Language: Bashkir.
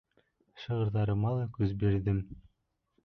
Шиғырҙарыма ла көс бирҙем.